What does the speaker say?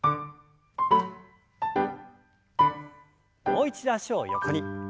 もう一度脚を横に。